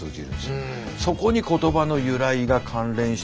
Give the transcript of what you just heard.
そこに言葉の由来が関連して。